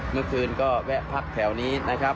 เมื่อคืนแวะพัดแถวนี้